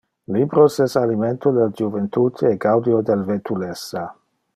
Libros es alimento del juventute e gaudio del vetulessa.